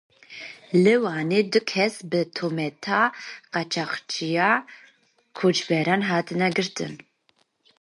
Li Wanê du kes bi tohmeta qaçaxçîtiya koçberan hatin girtin.